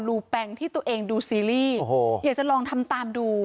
ูแปงที่ตัวเองดูซีรีส์โอ้โหอยากจะลองทำตามดู